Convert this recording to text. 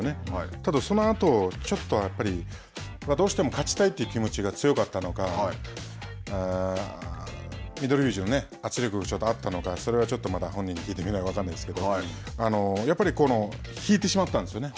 ただ、そのあと、ちょっとやっぱりどうしても勝ちたいという気持ちが強かったのか、翠富士の圧力がちょっとあったのかそれは本人に聞いてみないと分からないですけど、やっぱり引いてしまったんですよね。